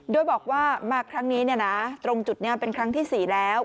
โดยบอกว่ามาครั้งนี้ตรงจุดนี้เป็นครั้งที่๔แล้ว